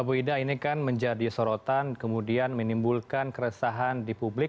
bu ida ini kan menjadi sorotan kemudian menimbulkan keresahan di publik